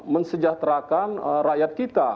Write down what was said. mensejahterakan rakyat kita